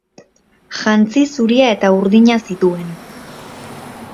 Jantzi zuria eta urdina zituen.